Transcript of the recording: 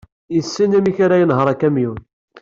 Yessen amek ara yenheṛ akamyun.